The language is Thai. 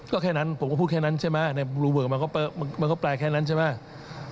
ก็แค่นั้นผมก็พูดแค่นั้นใช่ไหมในรูเวิร์กมันก็แปลแค่นั้นใช่ไหม